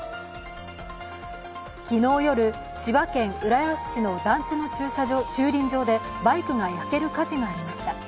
昨日夜、千葉県浦安市の団地の駐輪場でバイクが焼ける火事がありました。